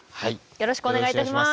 よろしくお願いします。